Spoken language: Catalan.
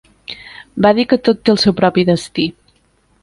Va dir que tot té el seu propi destí.